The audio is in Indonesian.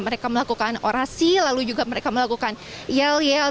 mereka melakukan orasi lalu juga mereka melakukan yeliyah